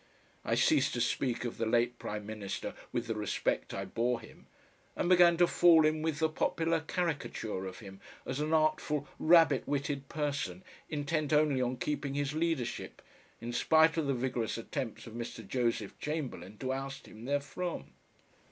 I ceased to speak of the late Prime Minister with the respect I bore him, and began to fall in with the popular caricature of him as an artful rabbit witted person intent only on keeping his leadership, in spite of the vigorous attempts of Mr. Joseph Chamberlain to oust him therefrom.